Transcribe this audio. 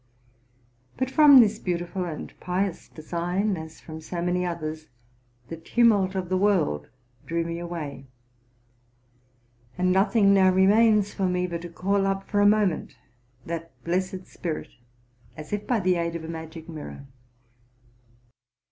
But from this beautiful and pious design, as from so many others, the tumult of the world drew me away; and nothing now remains for me but to call up for a moment that blessed spirit, as if by the aid of a magic mirror.